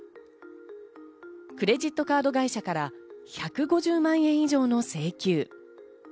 クレジットカード会社から１５０万円以上の請求。